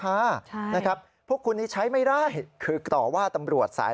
โรงพักโรงพักโรงพัก